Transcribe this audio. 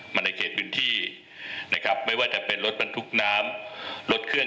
ในเขตพื้นที่นะครับไม่ว่าจะเป็นรถบรรทุกน้ำรถเคลื่อ